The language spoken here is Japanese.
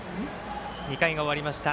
２回が終わりました。